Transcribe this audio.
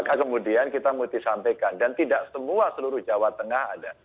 maka kemudian kita mesti sampaikan dan tidak semua seluruh jawa tengah ada